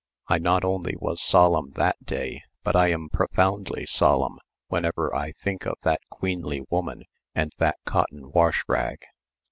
I not only was 'solemn' that day, but I am profoundly 'solemn' whenever I think of that queenly woman and that cotton wash rag.